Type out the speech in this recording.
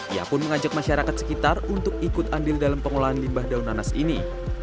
ia pun mengajak masyarakat sekitar untuk ikut andil dalam pengolahan limbah daun nanas ini